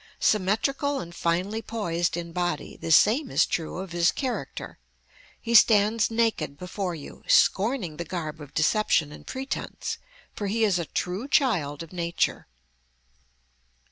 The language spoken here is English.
Symmetrical and finely poised in body, the same is true of his character. He stands naked before you, scorning the garb of deception and pretence, for he is a true child of nature.